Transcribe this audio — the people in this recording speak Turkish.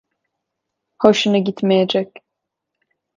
Hoşuna gitmeyecek.